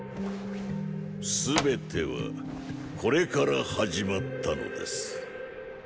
全てはこれから始まったのです。